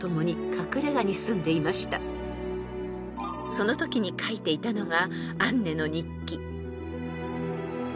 ［そのときに書いていたのが］